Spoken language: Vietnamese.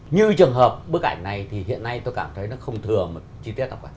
như trường hợp bức ảnh này thì hiện nay tôi cảm thấy nó không thừa một chi tiết không ạ